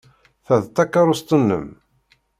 Ta d takeṛṛust-nnem?